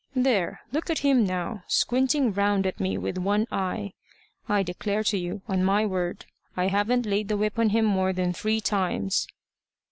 There! look at him now, squinting round at me with one eye! I declare to you, on my word, I haven't laid the whip on him more than three times."